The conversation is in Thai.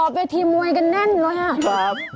เกาะคอเป็นทีมหมวยกันแน่นเลยถูก